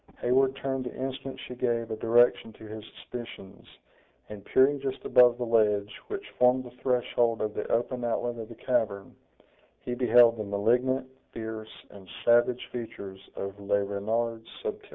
Heyward turned the instant she gave a direction to his suspicions, and peering just above the ledge which formed the threshold of the open outlet of the cavern, he beheld the malignant, fierce and savage features of Le Renard Subtil.